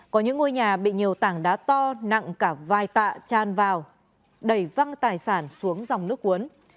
có những ngôi nhà bị nhiều tảng đá to nặng cả vài tạ tràn vào đầy văng tài sản xuống dòng nước cuốn